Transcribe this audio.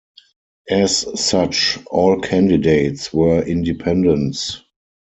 As such, all candidates were independents.